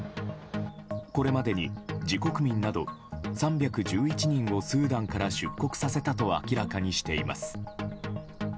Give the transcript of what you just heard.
これまでに自国民など３１１人をスーダンから出国させたと明らかにしています。